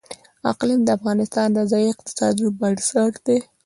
اقلیم د افغانستان د ځایي اقتصادونو بنسټ دی.